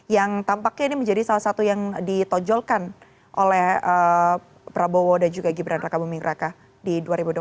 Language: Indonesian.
yang tampaknya ini menjadi salah satu yang ditonjolkan oleh prabowo dan juga gibran raka buming raka di dua ribu dua puluh empat